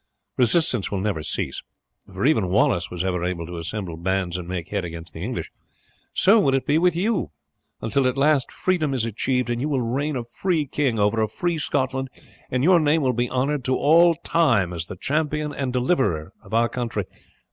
Resistance will never cease, for even Wallace was ever able to assemble bands and make head against the English, so will it be with you, until at last freedom is achieved, and you will reign a free king over a free Scotland, and your name will be honoured to all time as the champion and deliverer of our country.